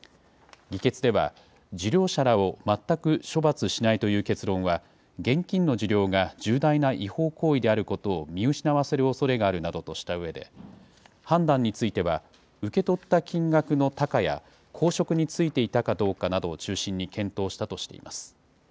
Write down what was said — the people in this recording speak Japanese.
議決では、受領者らを全く処罰しないという結論は、現金の受領が重大な違法行為であることを見失わせるおそれがあるなどとしたうえで、判断については、受け取った金額の多寡や、公職に就いていたかどうかを中心に検討したとしています。